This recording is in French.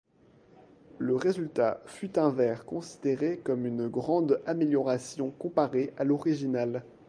Le résultat fut un verre considéré comme une grande amélioration comparé à l’original.